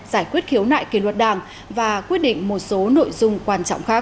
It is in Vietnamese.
giải quyết khiếu nại kỷ luật đảng và quyết định một số nội dung quan trọng khác